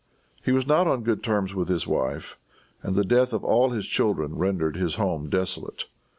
He was not on good terms with his wife, and the death of all his children rendered his home desolate.